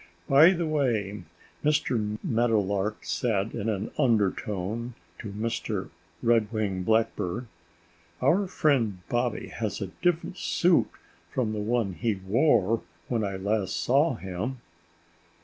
"By the way," Mr. Meadowlark said in an undertone to Mr. Red winged Blackbird, "our friend Bobby has a different suit from the one he wore when I last saw him."